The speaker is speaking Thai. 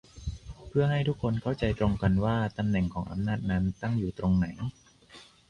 เพื่อให้ทุกคนเข้าใจตรงกันว่าตำแหน่งของอำนาจนั้นตั้งอยู่ตรงไหน